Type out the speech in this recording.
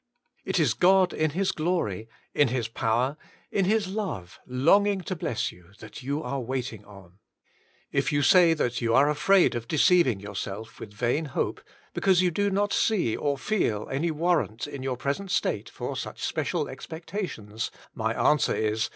It is God in His glory, in H!is power, in His love longing to bless you that you are waiting on.' If you say that you are afraid of deceiving yourself with vain hope, because you do not set or feel any warrant in your present state for such special expectations, my answer is.